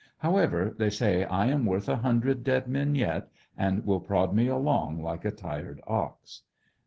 However, they say I am worth a hundred dead men yet, and will prod me along like a tired ox.